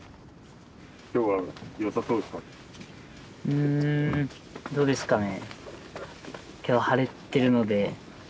うんどうですかね。